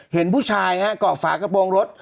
เห็นผู้ชายฮะเกาะฝากระโปรงรถ